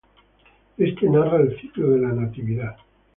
Este narra el ciclo de la Natividad.